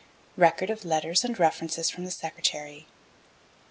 Record of letters and references from the Secretary.